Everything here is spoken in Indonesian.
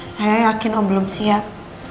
saya yakin om belum siap